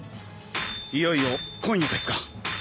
いよいよ今夜ですか？